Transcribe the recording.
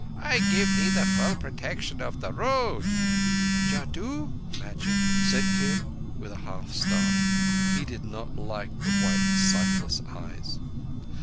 I give thee the full protection of the Road." "Jadoo? (magic),"said Kim, with a half start. He did not like the white, sightless eyes.